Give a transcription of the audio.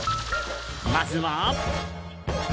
まずは。